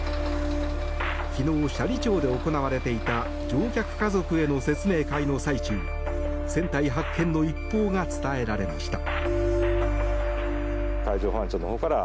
昨日、斜里町で行われていた乗客家族への説明会の最中船体発見の一報が伝えられました。